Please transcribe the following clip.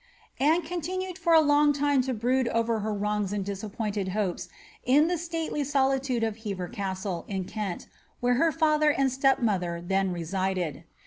Anne continued for a long time to brood over her wrongs and disap* pointed hopes in the stately solitude of Uever Casde, in Kent, where her father and stepmother then resided.